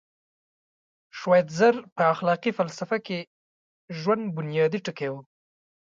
شوایتزر په اخلاقي فلسفه کې ژوند بنیادي ټکی و.